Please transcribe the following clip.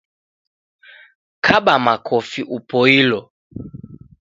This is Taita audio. Kaba makofi upoilo